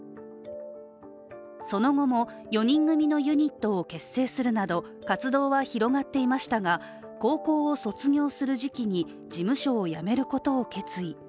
その後も４人組のユニットを結成するなど活動は広がっていましたが高校を卒業する時期に事務所を辞めることを決意。